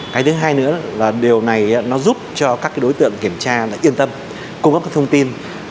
cái thứ hai nữa là điều này nó giúp cho các đối tượng kiểm tra yên tâm cung cấp các thông tin